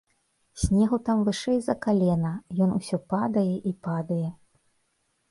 Снегу там вышэй за калена, ён усё падае і падае.